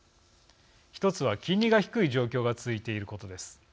１つは金利が低い状況が続いていることです。